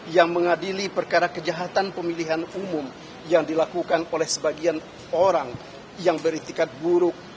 yang mengadili perkara kejahatan pemilihan umum yang dilakukan oleh sebagian orang yang beritikat buruk